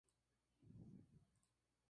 En septiembre, Ioan Gruffudd se unió al elenco.